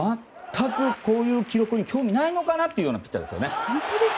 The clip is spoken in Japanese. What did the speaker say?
全くこういう記録に興味ないのかなというピッチャーですね。